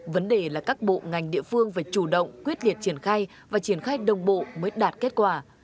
vấn đề là các bộ ngành địa phương phải chủ động quyết liệt triển khai và triển khai đồng bộ mới đạt kết quả